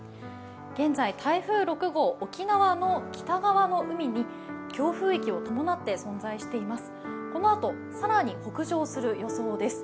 現在、台風６号、沖縄の北側の海に強風域を伴って存在しています。